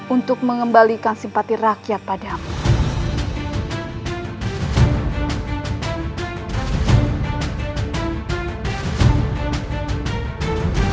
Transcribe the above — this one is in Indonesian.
untuk mengembalikan simpati rakyat padamu